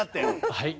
はい。